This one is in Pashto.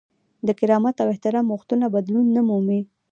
د کرامت او احترام غوښتنه بدلون نه مومي.